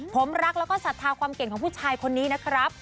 ผมรักแล้วก็ศรัทธาความเก่งของผู้ชายคนนี้นะครับ